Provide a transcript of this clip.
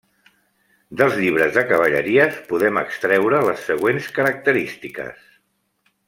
Dels llibres de cavalleries podem extreure les següents característiques.